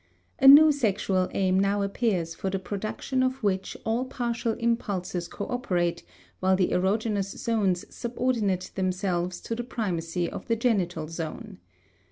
A new sexual aim now appears for the production of which all partial impulses coöperate, while the erogenous zones subordinate themselves to the primacy of the genital zone.